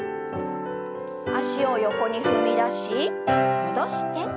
脚を横に踏み出し戻して。